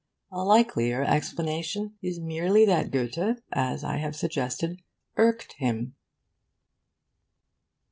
A likelier explanation is merely that Goethe, as I have suggested, irked him.